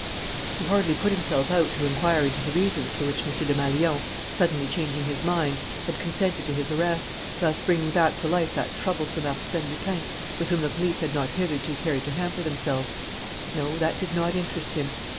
He hardly put himself out to inquire into the reasons for which M. Desmalions, suddenly changing his mind, had consented to his arrest, thus bringing back to life that troublesome Arsène Lupin with whom the police had not hitherto cared to hamper themselves. No, that did not interest him.